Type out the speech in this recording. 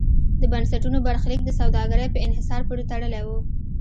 د بنسټونو برخلیک د سوداګرۍ په انحصار پورې تړلی و.